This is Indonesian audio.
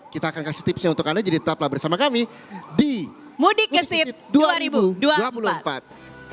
kita akan kasih tipsnya untuk anda jadi tetaplah bersama kami di seat dua ribu dua puluh empat